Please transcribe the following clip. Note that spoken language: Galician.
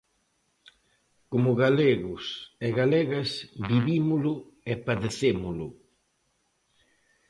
Como galegos e galegas, vivímolo e padecémolo.